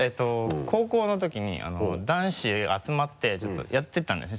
高校のときに男子集まってやってたんですね